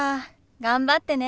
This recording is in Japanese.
頑張ってね。